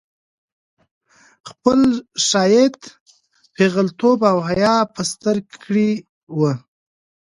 خپل ښايیت، پېغلتوب او حيا په ستر کړې وه